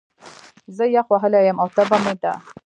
زه يخ وهلی يم، او تبه مې ده